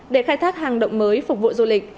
để khai thác hàng động mới phục vụ du lịch